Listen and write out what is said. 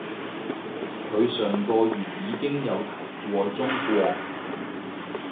佢上個月已經有提過中國